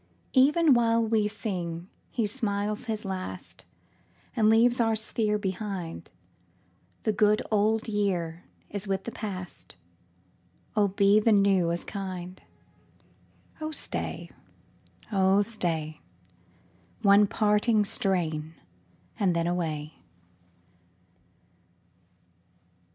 37 Even while we sing he smiles his last And leaves our sphere behind. The good old year is with the past ; Oh be the new as kind ! Oh staj, oh stay, One parting strain, and then away.